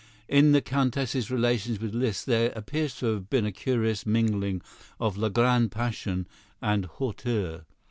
In the Countess's relations with Liszt there appears to have been a curious mingling of la grande passion and hauteur.